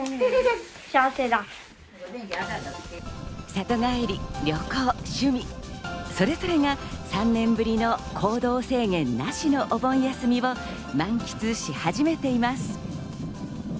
里帰り、旅行、趣味、それぞれが３年ぶりの行動制限なしのお盆休みを満喫し始めています。